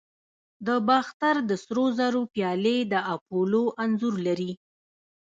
د باختر د سرو زرو پیالې د اپولو انځور لري